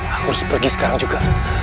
aku harus pergi sekarang juga